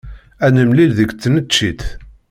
Ad nemlil deg tneččit.